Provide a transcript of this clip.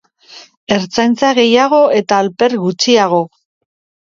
Ertzaintza gehiago eta alper gutxiago!